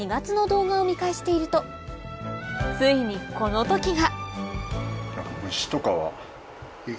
ついにこの時が！